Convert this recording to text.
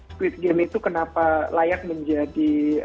squid game itu kenapa layak menjadi